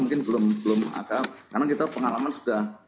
mungkin belum ada karena kita pengalaman sudah